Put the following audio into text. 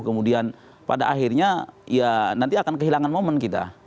kemudian pada akhirnya ya nanti akan kehilangan momen kita